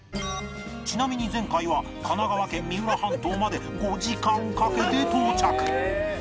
ちなみに前回は神奈川県三浦半島まで５時間かけて到着